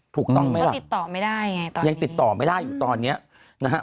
ถูกต้องไหมครับก็ติดต่อไม่ได้ไงตอนนี้ยังติดต่อไม่ได้อยู่ตอนเนี้ยนะฮะ